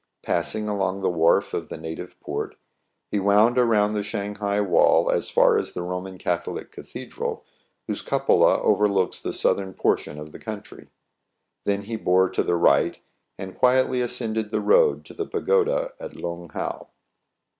Passing along the wharf of the native port, he wound around the Shang hai wall as far as the Roman Catholic cathedral, whose cupola overlooks the southern portion of the coun try. Then he bore to the right, and quietly as cended the road to the pagoda at Loung Hao.